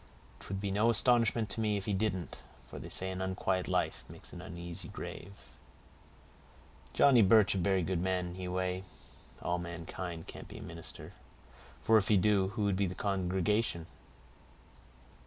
"'Twould be no astonishment to me if he didn't; for they say an unquiet life makes an uneasy grave." "Johnny Birch a berry good man in he way. All mankind can't be a minister; for if he do, who would be a congregation?"